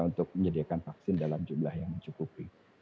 untuk menyediakan vaksin dalam jumlah yang cukup